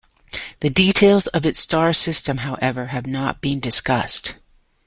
The details of its star system, however, have not been discussed.